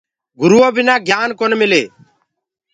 گُرو بنآ گيِان ڪونآ مِلي۔